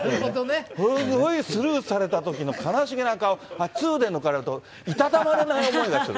すごいスルーされたときの悲しげな顔、ツーで抜かれると、いたたまれない思いがする。